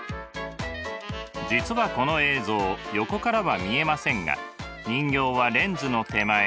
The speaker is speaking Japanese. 実はこの映像横からは見えませんが人形はレンズの手前